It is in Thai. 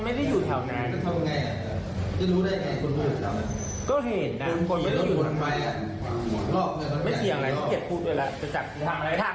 พี่เกียจพูดด้วยแล้วจะจัดทาง